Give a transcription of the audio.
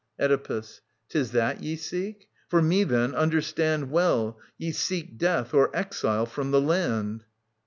Oedipus. *Tis that ye seek ? For me, then ... understand Well ... ye seek death or exile from the land.